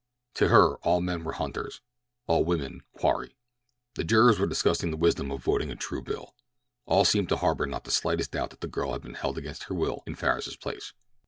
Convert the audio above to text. To her all men were hunters—all women quarry. The jurors were discussing the wisdom of voting a true bill. All seemed to harbor not the slightest doubt that the girl had been held against her will in Farris's place.